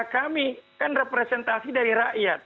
kami kan representasi dari rakyat